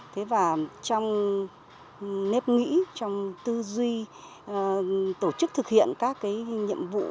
thế và trong nếp nghĩ trong tư duy tổ chức thực hiện các cái nhiệm vụ